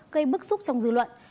gây bức xúc trong dư luận